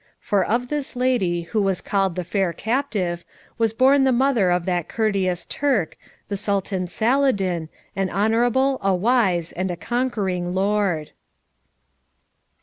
For of this lady, who was called the Fair Captive, was born the mother of that courteous Turk, the Sultan Saladin, an honourable, a wise, and a conquering lord.